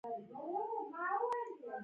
پښتون سوله غواړي خو غلامي نه.